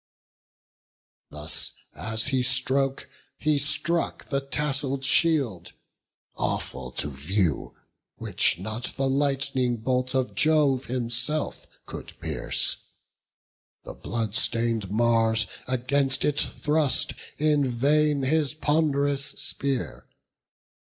Thus as he spoke, he struck the tassell'd shield, Awful to view, which not the lightning bolt Of Jove himself could pierce: the blood stain'd Mars Against it thrust in vain his pond'rous spear.